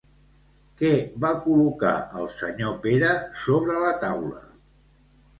Què va col·locar el senyor Pere sobre la taula?